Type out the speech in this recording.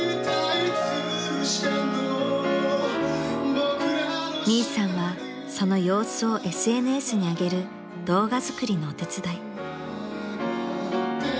「僕らの」［ミイさんはその様子をＳＮＳにあげる動画作りのお手伝い］